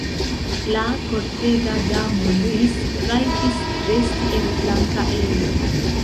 La kortega damo Luise rajtis resti en flanka ejo.